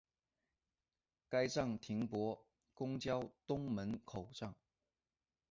该站接驳公交东门口站。